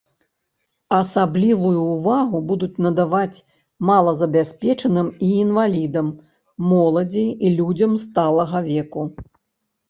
Асаблівую ўвагу будуць надаваць малазабяспечаным і інвалідам, моладзі і людзям сталага веку.